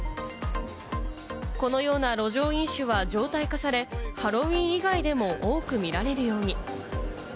このような路上飲酒は常態化され、ハロウィーン以外でも多く見られるように。